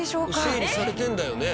整理されてるんだよね？